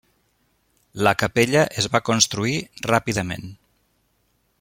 La capella es va construir ràpidament.